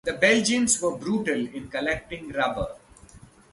The Belgians were brutal in collecting rubber.